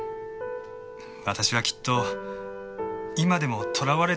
私はきっと今でもとらわれているんです。